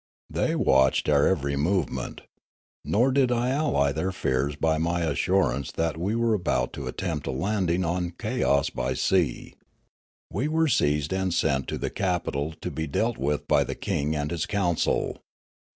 They watched our every movement. Nor did I allay their fears by my assur ance that we were about to attempt a landing on Kayoss by sea. We were seized and sent to the capital to be dealt with by the king and his council.